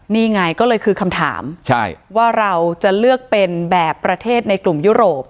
นี่ไงก็เลยคือคำถามว่าเราจะเลือกเป็นแบบประเทศในกลุ่มยุโรป